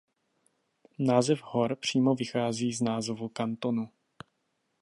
Název hor přímo vychází z názvu kantonu.